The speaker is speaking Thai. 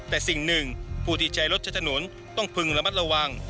แต่สิ่งหนึ่งผู้ที่ใช้รถใช้ถนนต้องพึงระมัดระวัง